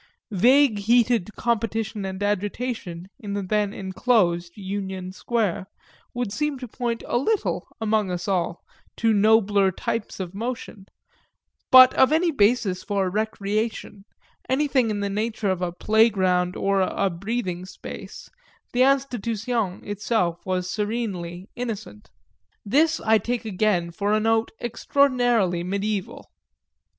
Vague heated competition and agitation in the then enclosed Union Square would seem to point a little, among us all, to nobler types of motion; but of any basis for recreation, anything in the nature of a playground or a breathing space, the Institution itself was serenely innocent. This I take again for a note extraordinarily mediæval.